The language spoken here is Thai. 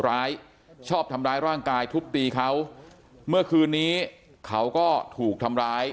ชอบทำร้ายร่างกายทุบตีเขาเมื่อคืนนี้เขาก็ถูกทำร้าย